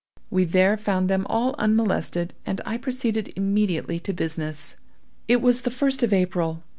We there found them all unmolested, and I proceeded immediately to business. "It was the first of April.